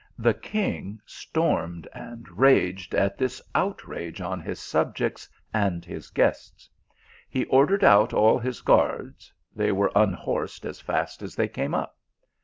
The king stormed and raged at this outrage on his sub jects and his guests. He ordered out all his guards they were unhorsed as fast as they came up.